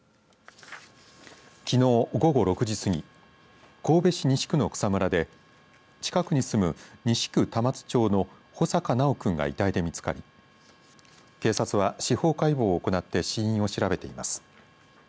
きのう、午後６時過ぎ神戸市西区の草むらで近くに住む西区玉津町の穂坂修君が遺体で見つかり警察は司法解剖を行って死因を調べています。